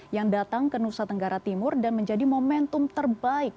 yang datang ke nusa tenggara timur dan menjadi momentum terbaik